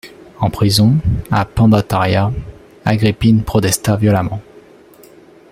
En prison à Pandataria, Agrippine protesta violemment.